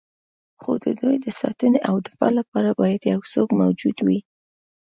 خو د دوی د ساتنې او دفاع لپاره باید یو څوک موجود وي.